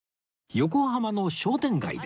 横浜の商店街で